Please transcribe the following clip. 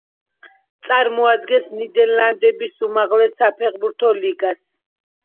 წარმოადგენს ნიდერლანდების უმაღლეს საფეხბურთო ლიგას.